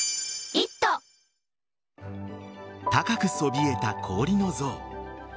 高くそびえた氷の像。